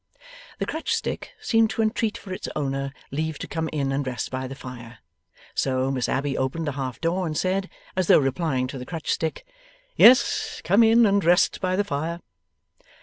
The crutch stick seemed to entreat for its owner leave to come in and rest by the fire; so, Miss Abbey opened the half door, and said, as though replying to the crutch stick: 'Yes, come in and rest by the fire.